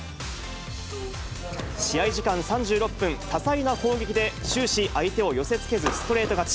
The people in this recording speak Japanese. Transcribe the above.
試合時間３６分、多彩な攻撃で終始、相手を寄せつけずストレート勝ち。